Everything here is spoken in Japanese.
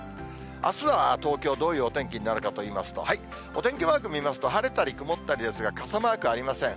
あすは東京、どういうお天気になるかといいますと、お天気マーク見ますと、晴れたり曇ったりですが、傘マークありません。